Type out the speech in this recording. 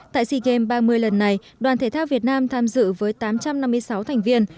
tại sea games ba mươi lần này đoàn thể thao việt nam tham dự với tám trăm năm mươi sáu thành viên